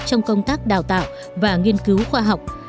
trong công tác đào tạo và nghiên cứu khoa học